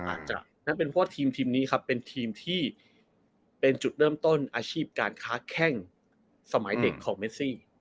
นั่นเป็นเพราะว่าทีมทีมนี้ครับเป็นทีมที่เป็นจุดเริ่มต้นอาชีพการค้าแข้งสมัยเด็กของเมซี่